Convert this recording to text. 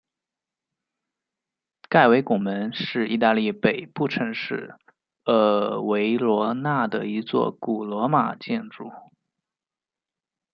盖维拱门是意大利北部城市维罗纳的一座古罗马建筑。